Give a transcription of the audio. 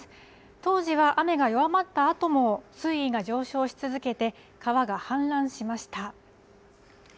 当時は雨が弱まったあとも水位が上昇し続けて、川が氾濫しました。